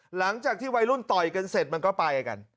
หลังจากที่วัยรุ่นต่อยกันเสร็จมันก็ไปกัน